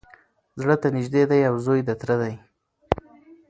زړه ته نیژدې دی او زوی د تره دی